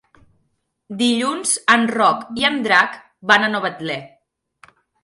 Dilluns en Roc i en Drac van a Novetlè.